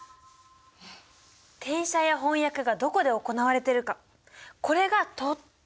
転写や翻訳がどこで行われてるかこれがとっても大事なの！